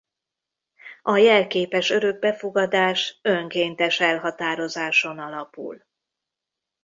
A jelképes örökbefogadás önkéntes elhatározáson alapul.